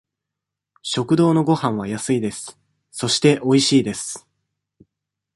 食堂のごはんは安いです。そして、おいしいです。